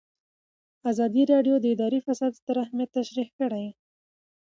ازادي راډیو د اداري فساد ستر اهميت تشریح کړی.